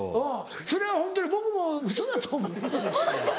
それはホントに僕もウソだと思ってます。